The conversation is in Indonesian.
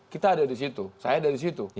kita ada di situ saya ada di situ